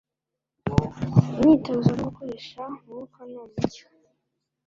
Imyitozo no gukoresha umwuka numucyo